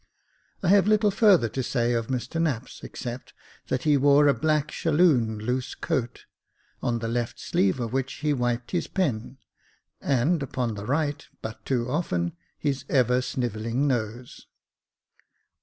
I have little further to say of Mr Knapps, except that he wore a black shalloon loose coat ; on the left sleeve of which he wiped his pen, and upon the right, but too often, his ever snivelling nose.